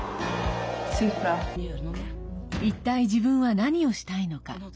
一体、自分は何をしたいのか。